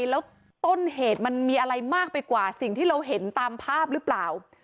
แล้วต้นเหตุมันมีอะไรมากไปกว่าสิ่งที่เราเห็นตามภาพหรือเปล่า